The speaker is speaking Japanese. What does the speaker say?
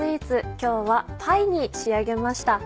今日はパイに仕上げました。